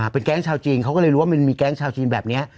เป็นแก๊งชาวจีนเขาก็เลยรู้ว่ามันมีแก๊งชาวจีนแบบนี้